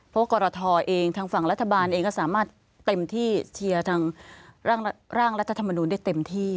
เพราะกรทเองทางฝั่งรัฐบาลเองก็สามารถเต็มที่เชียร์ทางร่างรัฐธรรมนูลได้เต็มที่